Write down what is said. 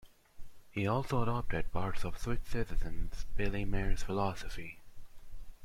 He also adopted parts of Swiss citizen Billy Meier's philosophy.